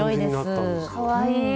かわいい。